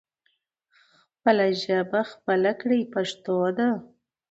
خپله ژبه خپله کړې پښتو ده.